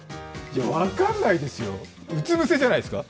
分かんないですよ、うつ伏せじゃないですか？